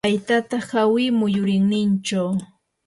waytata hawi muyurinninchaw.